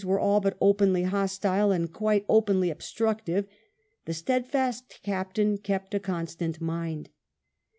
were all bat openly hostile and quite openly obstmctiYe, the eteadiBBt Captain kept a constant mind.